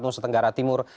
nusa tenggara timur